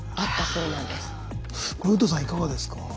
いかがですか？